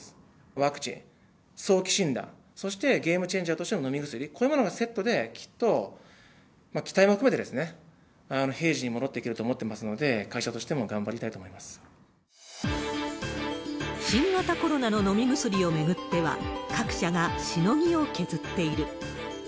ワクチン、早期診断、そしてゲームチェンジャーとしての飲み薬、こういうものがセットで、きっと期待も含めて、平時に戻っていけると思っていますので、会社としても頑張りたい新型コロナの飲み薬を巡っては、各社がしのぎを削っている。